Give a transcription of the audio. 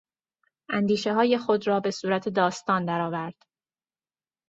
اندیشههای خود را به صورت داستان در آورد.